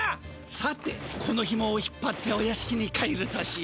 さてこのひもを引っぱってお屋しきに帰るとしよう。